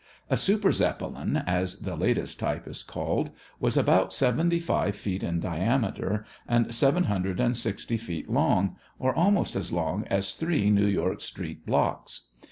A super Zeppelin, as the latest type is called, was about seventy five feet in diameter and seven hundred and sixty feet long, or almost as long as three New York street blocks.